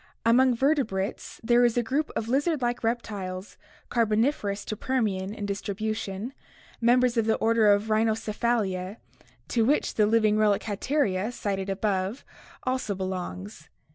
Among vertebrates there is a group of lizard like reptiles, Car boniferous to Permian in distribution, members of the order Rhyn chocephalia to which the living relic Hatteria, cited above, also belongs.